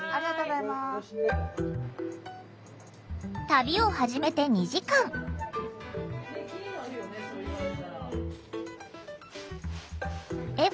旅を始めて２時間。笑